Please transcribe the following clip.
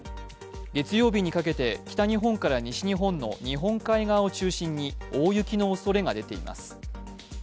月曜日にかけて北日本から西日本の日本海側を中心に大雪のおそれが出ています。